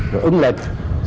rồi ứng lệch